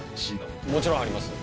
もちろんあります。